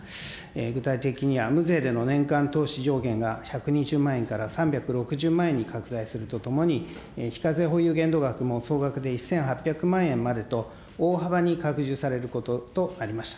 具体的には、無税での年間投資上限が１２０万円から３６０万円に拡大するとともに、非課税保有限度額も総額で１８００万円までと、大幅に拡充されることとなりました。